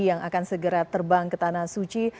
yang akan segera terbang ke tanah suci